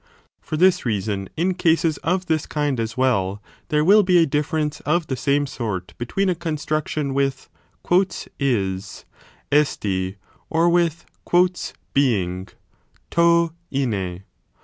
For this reason in cases of this kind as well there will be a difference of the same sort between a construction with is (eon) or with being (TO 5 tlvai).